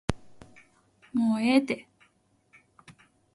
もうええて